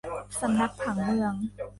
สำนักผังเมือง